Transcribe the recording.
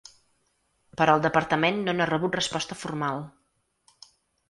Però el departament no n’ha rebut resposta formal.